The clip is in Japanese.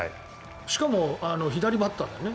しかも、左バッターだよね？